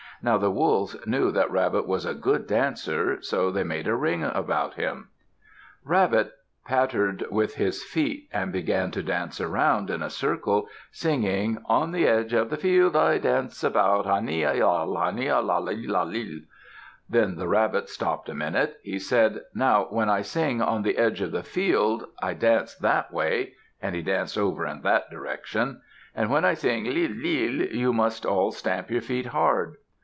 Now the Wolves knew that Rabbit was a good dancer, so they made a ring around him. Rabbit pattered with his feet and began to dance around in a circle, singing, On the edge of the field I dance about, Ha' nia lil! lil! Ha' nia lil! lil! Then the Rabbit stopped a minute. He said, "Now when I sing 'on the edge of the field,' I dance that way" and he danced over in that direction; "and when I sing 'lil! lil!' you must all stamp your feet hard."